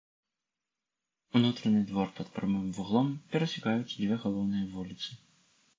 Унутраны двор пад прамым вуглом перасякаюць дзве галоўныя вуліцы.